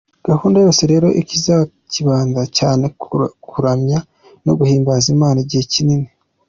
Gahunda yose rero ikazibanda cyane ku kuramya no guhimbaza Imana igihe kinini.